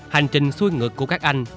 hành trình xuôi ngược của các anh